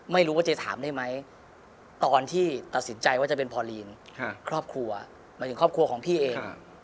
ไม่รู้ว่าเจ๊ถามได้ไหมตอนที่ตัดสินใจว่าจะเป็นพอลีนครอบครัวหมายถึงครอบครัวของพี่เอง